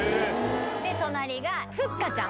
で隣がふっかちゃん